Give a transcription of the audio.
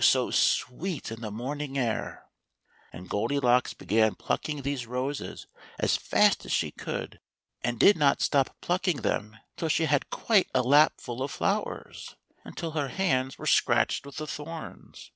so sweet in the morning air ; and Goldilocks began plucking these roses as fast as she could, and did not stop plucking them till she had quite a lapful of flowers, and till her hands were scratched with the thorns.